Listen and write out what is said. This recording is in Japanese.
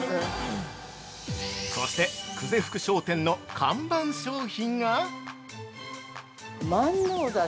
◆そして、久世福商店の看板商品が◆万能だし。